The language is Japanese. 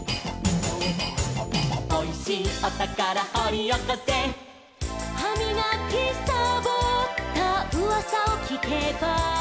「おいしいおたからほりおこせ」「はみがきさぼったうわさをきけば」